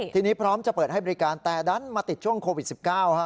ทีนี้พร้อมจะเปิดให้บริการแต่ดันมาติดช่วงโควิด๑๙